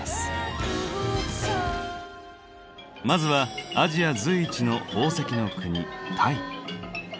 まずはアジア随一の宝石の国タイ。